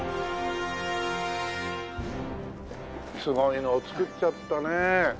すごいのを造っちゃったね。